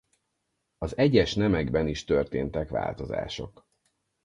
Az egyes nemekben is történtek változások.